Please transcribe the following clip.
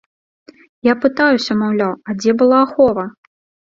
Я пытаюся, маўляў, а дзе была ахова?